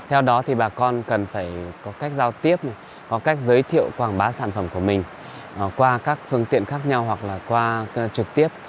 theo đó thì bà con cần phải có cách giao tiếp có cách giới thiệu quảng bá sản phẩm của mình qua các phương tiện khác nhau hoặc là qua trực tiếp